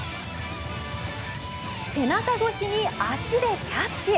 背中越しに足でキャッチ。